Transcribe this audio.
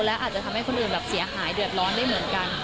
และอาจจะทำให้คนอื่นแบบเสียหายเดือดร้อนได้เหมือนกัน